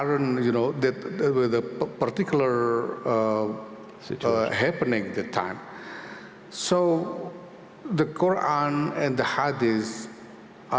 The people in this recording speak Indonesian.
retno juga menyampaikan bahwa dia akan menjelaskan keberpihakan indonesia terhadap palestina